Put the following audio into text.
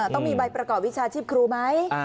ต้องมีใบประกอบวิชาชีพครูไหม